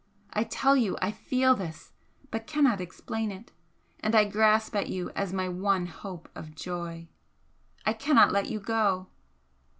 I tell you I FEEL this, but cannot explain it, and I grasp at you as my one hope of joy! I cannot let you go!"